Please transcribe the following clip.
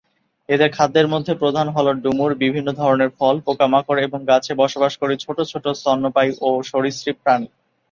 এদের খাদ্যের মধ্যে প্রধান হল ডুমুর, বিভিন্ন ধরনের ফল, পোকামাকড় এবং গাছে বসবাসকারী ছোট ছোট স্তন্যপায়ী ও সরীসৃপ প্রাণী।